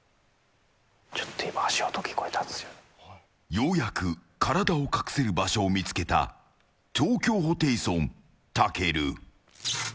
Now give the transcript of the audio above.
ようやく体を隠せる場所を見つけた東京ホテイソン・たける。